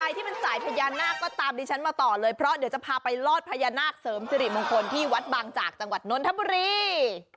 ที่เป็นสายพญานาคก็ตามดิฉันมาต่อเลยเพราะเดี๋ยวจะพาไปลอดพญานาคเสริมสิริมงคลที่วัดบางจากจังหวัดนนทบุรี